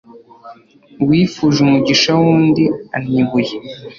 uwifuje umugisha w'undi annya ibuye